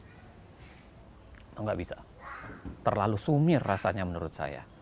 tidak bisa terlalu sumir rasanya menurut saya